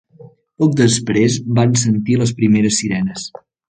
Poc després van sentir les primeres sirenes.